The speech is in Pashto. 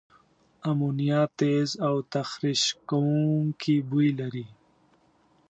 امونیا تیز او تخریش کوونکي بوی لري.